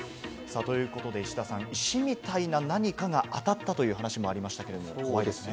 石田さん、石みたいな何かが当たったという話もありましたけれど怖いですね。